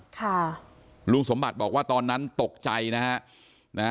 ค่ะลุงสมบัติบอกว่าตอนนั้นตกใจนะฮะนะฮะ